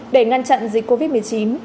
để ngăn chặn dịch covid một mươi chín